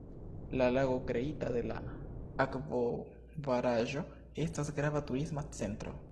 La lago kreita de la akvobaraĵo estas grava turisma centro.